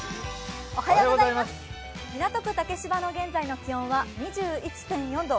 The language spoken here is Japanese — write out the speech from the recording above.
港区竹芝の現在の気温は２１．４度。